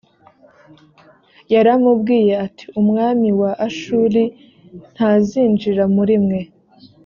yaramubwiye ati umwami wa ashuri ntazinjira muri mwe